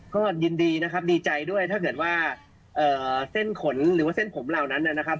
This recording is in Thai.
ก็ยินดีนะครับดีใจด้วยถ้าเกิดว่าเส้นขนหรือว่าเส้นผมเหล่านั้นนะครับ